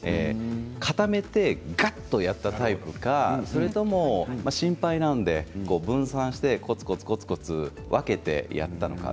固めて、がっとやるタイプかそれとも、心配なので分散してこつこつ分けてやるタイプか。